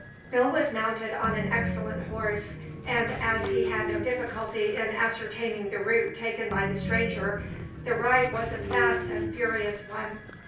Bill was mounted on an excellent horse, and as he had no difficulty in ascertaining the route taken by the stranger, the ride was a fast and furious one.